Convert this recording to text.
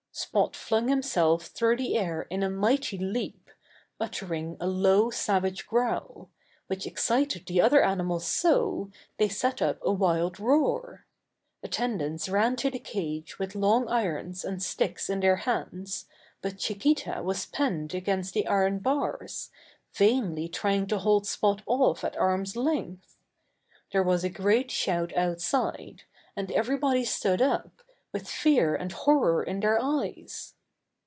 Spot flung himself through the air in a mighty leap, uttering a low savage growl, which excited the other animals so they set up a wild roar. Attendants ran to the cage with long irons and sticks in their hands, but Chi quita was penned against the iron bars, vainly trying to hold Spot off at arms' length. There was a great shout outside, and everybody stood up, with fear and horror in their eyes.